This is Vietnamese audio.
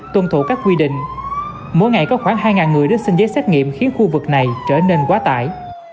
tuân thủ các quy định mỗi ngày có khoảng hai người đến xin giấy xét nghiệm khiến khu vực này trở nên quá tải